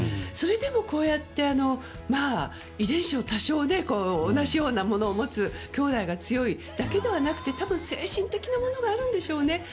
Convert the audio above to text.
それでも、こうやって遺伝子を多少同じようなものを持つきょうだいが強いだけではなくて多分、精神的なものがあるんでしょうね。